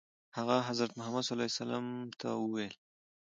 هغه حضرت محمد صلی الله علیه وسلم ته وویل.